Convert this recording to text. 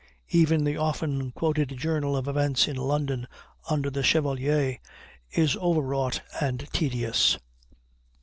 Even the often quoted journal of events in London under the Chevalier is overwrought and tedious.